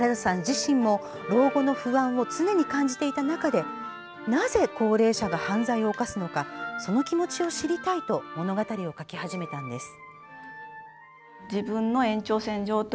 自身も老後の不安を常に感じていた中でなぜ、高齢者が罪を犯すのかその気持ちを知りたいと物語を書き始めたのです。